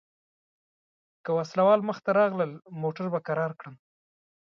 که وسله وال مخته راغلل موټر به کرار کړم.